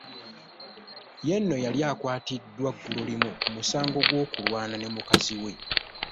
Ye nno yali yakwatiddwa ggulolimu ku musango gw'okulwana ne mukazi we.